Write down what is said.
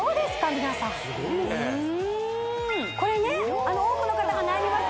皆さんすごいねこれね多くの方がなります